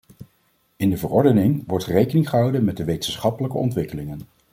In de verordening wordt rekening gehouden met de wetenschappelijke ontwikkelingen.